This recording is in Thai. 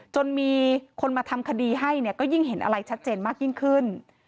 จนมีคนมาทำคดีให้เนี่ยก็ยิ่งเห็นอะไรชัดเจนมากยิ่งขึ้น